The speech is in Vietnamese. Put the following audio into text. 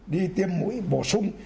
đi tiêm mũi bổ sung